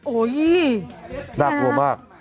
โอ้ยน่ากลัวมาก